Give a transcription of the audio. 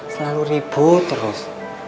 selalu ribut terus